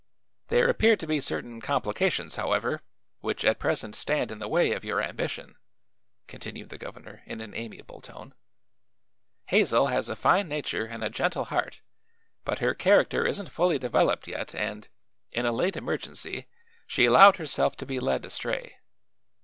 "There appear to be certain complications, however, which at present stand in the way of your ambition," continued the governor in an amiable tone. "Hazel has a fine nature and a gentle heart, but her character isn't fully developed yet and, in a late emergency, she allowed herself to be led astray.